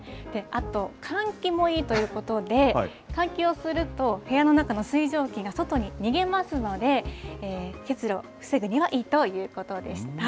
あと換気もいいということで、換気をすると、部屋の中の水蒸気が外に逃げますので、結露防ぐにはいいということでした。